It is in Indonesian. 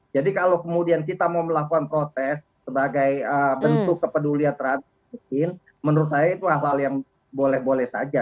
jadi kalau kemudian kita mau melakukan protes sebagai bentuk kepedulian terhadap meskin menurut saya itu hal hal yang boleh boleh saja